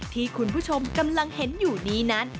ที่คุณผู้ชมกำลังเห็นอยู่นี้นั้น